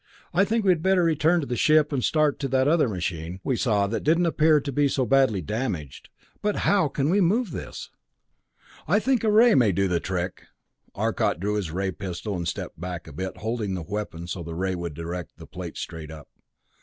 I think we had better return to the ship and start to that other machine we saw that didn't appear to be so badly damaged. But how can we move this?" "I think a ray may do the trick." Arcot drew his ray pistol, and stepped back a bit, holding the weapon so the ray would direct the plate straight up.